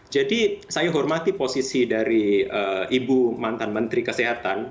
jadi saya hormati posisi dari ibu mantan menteri kesehatan